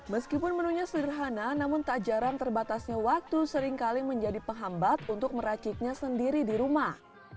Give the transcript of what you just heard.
meskipun menunya sederhana namun tak jarang terbatasnya waktu seringkali menjadi penghambat untuk meraciknya sendiri di rumah